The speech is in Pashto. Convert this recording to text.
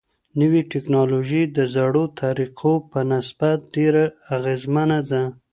نوي ټيکنالوژي د زړو طريقو په نسبت ډيره اغيزمنه ده.